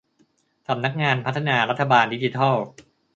สำนักงานพัฒนารัฐบาลดิจิทัล